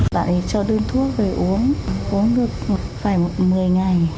bạn ấy cho đơn thuốc về uống uống được phải một mươi ngày